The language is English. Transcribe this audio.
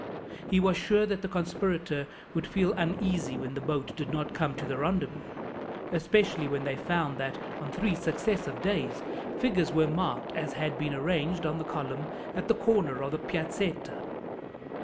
He was sure that the conspirator would feel uneasy when the boat did not come to the rendezvous, especially when they found that, on three successive days, figures were marked as had been arranged on the column at the corner of the Piazzetta.